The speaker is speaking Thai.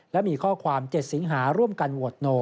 และมีข้อความ๗สิงหาร่วมกันโหวตโน